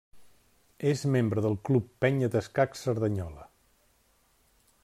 És membre del Club Penya d'Escacs Cerdanyola.